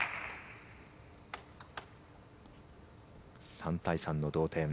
３対３の同点。